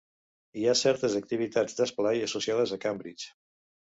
Hi ha certes activitats d'esplai associades a Cambridge.